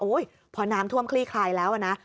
พอน้ำท่วมคลี่คลายแล้วนะ